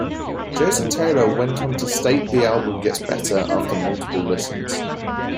Jason Taylor went on to state the album gets better after multiple listens.